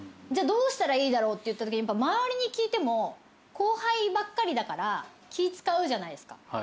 じゃあどうしたらいいだろうっていったときに周りに聞いても後輩ばっかだから気ぃ使うじゃないですか。